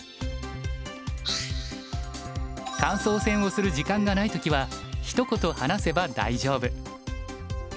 感想戦をする時間がないときは一言話せば大丈夫。